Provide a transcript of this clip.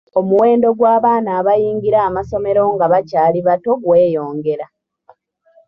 Omuwendo gw’abaana abayingira amasomero nga bakyali bato gweyongera .